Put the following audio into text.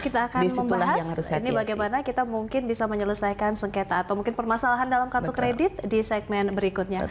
kita akan membahas ini bagaimana kita mungkin bisa menyelesaikan sengketa atau mungkin permasalahan dalam kartu kredit di segmen berikutnya